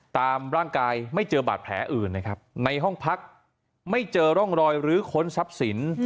ตามร่างกายไม่เจอบาดแผลอื่นนะครับในห้องพักไม่เจอร่องรอยลื้อค้นทรัพย์สิน